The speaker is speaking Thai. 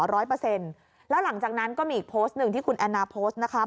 แล้วหลังจากนั้นก็มีอีกโพสต์หนึ่งที่คุณแอนนาโพสต์นะคะ